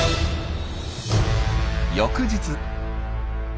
翌日。